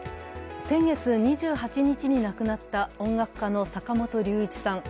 先月２８日に亡くなった音楽家の坂本龍一さん。